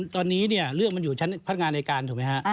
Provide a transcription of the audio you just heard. ตอนนี้เรื่องมันอยู่ชั้นพนักงานอายการถูกไหมคะ